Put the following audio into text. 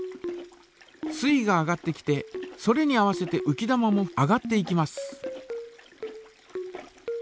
水位が上がってきてそれに合わせてうき玉も上がっていきます。